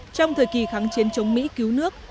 trong thời kỳ kháng chiến chống mỹ cứu nước